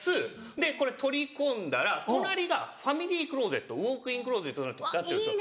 で取り込んだら隣がファミリークローゼットウオークインクローゼットになってるんですよ。